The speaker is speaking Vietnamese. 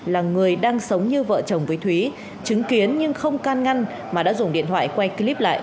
là người đang sống như vợ chồng với thúy chứng kiến nhưng không can ngăn mà đã dùng điện thoại quay clip lại